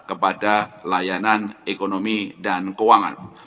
kepada layanan ekonomi dan keuangan